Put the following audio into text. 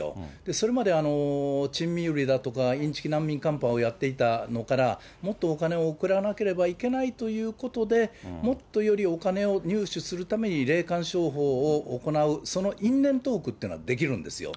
それまでだとか、インチキ難民カンパをやっていたのから、もっとお金を送らなければいけないということで、もっとよりお金を入手するために、霊感商法を行うそのというのができるんですよ。